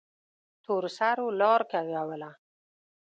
تورسرو لار کږوله.